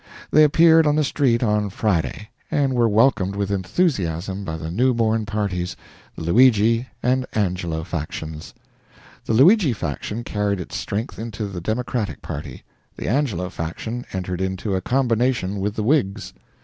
They appeared on the street on Friday, and were welcomed with enthusiasm by the new born parties, the Luigi and Angelo factions. The Luigi faction carried its strength into the Democratic party, the Angelo faction entered into a combination with the Whigs.